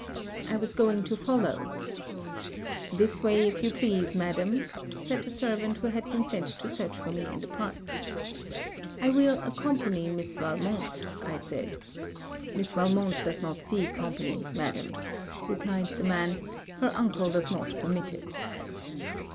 I was going to follow 'This way, if you please, madam,' said the servant who had been sent to search for me in the park. 'I will accompany Miss Valmont,' said I. 'Miss Valmont does not see company, madam,' replied the man, 'her uncle does not permit it.'